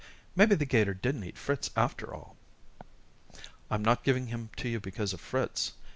Maybe the 'gator didn't eat Fritz after all." "I'm not giving him to you because of Fritz.